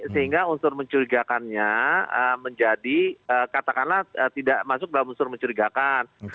sehingga unsur mencurigakannya menjadi katakanlah tidak masuk dalam unsur mencurigakan